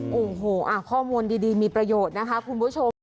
โอ้โหข้อมูลดีมีประโยชน์นะคะคุณผู้ชม